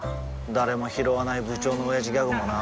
誰もひろわない部長のオヤジギャグもな